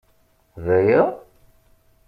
D aya?